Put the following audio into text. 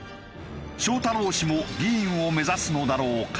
翔太郎氏も議員を目指すのだろうか？